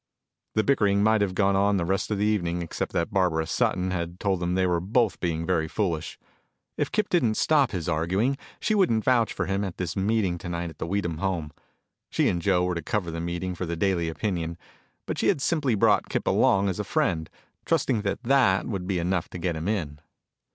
The bickering might have gone on the rest of the evening except that Barbara Sutton told them they were both being very foolish. If Kip didn't stop his arguing, she wouldn't vouch for him at this meeting tonight at the Weedham home. She and Joe were to cover the meeting for The Daily Opinion, but she had simply brought Kip along as a friend, trusting that that would be enough to get him in.